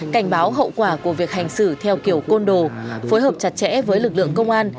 cảnh báo hậu quả của việc hành xử theo kiểu côn đồ phối hợp chặt chẽ với lực lượng công an